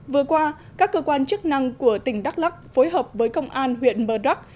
vừa qua các cơ quan chức năng của tỉnh đắk lắc phối hợp với công an huyện mờ đắc